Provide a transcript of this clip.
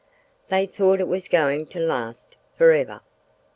They thought it was going to last for ever.